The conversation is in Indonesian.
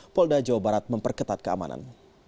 polda jawa barat memperketat keamanan